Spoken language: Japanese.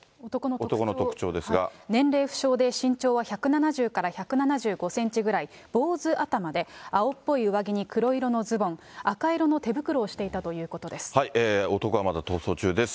年齢不詳で身長は１７０から１７５センチぐらい、坊主頭で、青っぽい上着に黒色のズボン、赤色の手袋をしていたということで男はまだ逃走中です。